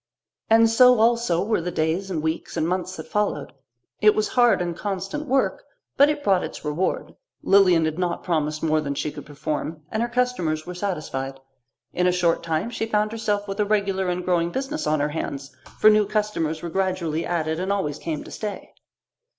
And so also were the days and weeks and months that followed. It was hard and constant work, but it brought its reward. Lilian had not promised more than she could perform, and her customers were satisfied. In a short time she found herself with a regular and growing business on her hands, for new customers were gradually added and always came to stay.